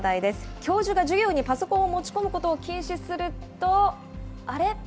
教授が授業にパソコンを持ち込むことを禁止すると、あれ？